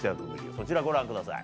そちらご覧ください。